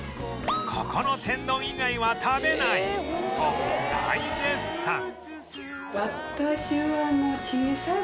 「ここの天丼以外は食べない！！」と大絶賛